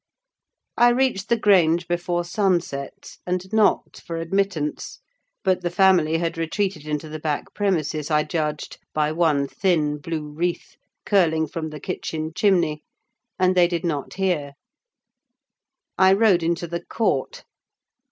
I reached the Grange before sunset, and knocked for admittance; but the family had retreated into the back premises, I judged, by one thin, blue wreath, curling from the kitchen chimney, and they did not hear. I rode into the court.